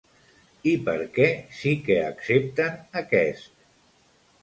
I per què sí que accepten aquest?